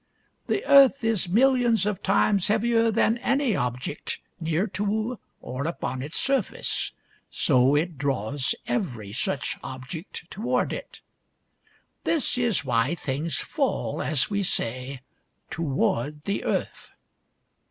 SIR ISAAC NEWTON AND THE APPLE 39 " The earth is millions of times heavier than any object near to or upon its surface ; so it draws every such object toward it. " This is why things fall, as we say, toward the earth.